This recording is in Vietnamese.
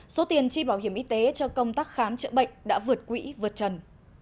số tiền chi bảo hiểm y tế cho công tác khám chữa bệnh đã vượt quỹ vượt trần